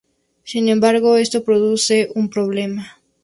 Sin embargo esto produce un problema.